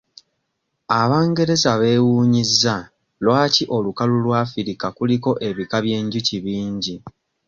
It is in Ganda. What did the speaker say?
Abangereza beewuunyizza lwaki olukalu lw' Africa kuliko ebika by'enjuki bingi?